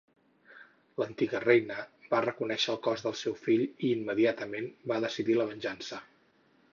L'antiga reina va reconèixer el cos del seu fill i immediatament va decidir la venjança.